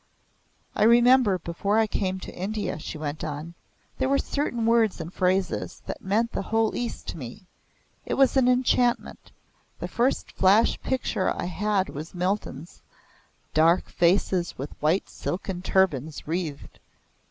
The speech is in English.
"I remember before I came to India," she went on, "there were certain words and phrases that meant the whole East to me. It was an enchantment. The first flash picture I had was Milton's 'Dark faces with white silken turbans wreathed.